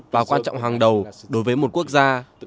và quan trọng hàng đầu đối với một quốc gia